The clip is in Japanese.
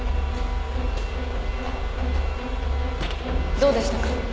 どうでしたか？